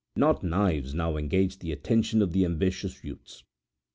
Not knives now engaged the attention of the ambitious youths.